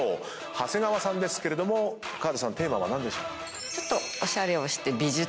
長谷川さんですけれども川田さんテーマは何でしょうか？